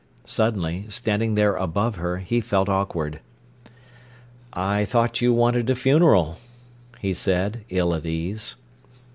Suddenly, standing there above her, he felt awkward. "I thought you wanted a funeral," he said, ill at ease.